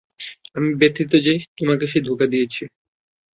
আমি ব্যথিত যে তোমাকে সে ধোকা দিয়েছে।